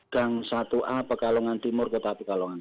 gang satu a pekalongan timur kota pekalongan